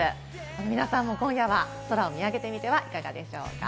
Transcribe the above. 皆さんも今夜は空を見上げてみてはいかがでしょうか。